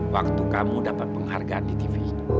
waktu kamu dapat penghargaan di tv